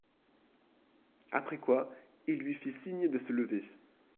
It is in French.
Après quoi, il lui fit signe de se lever.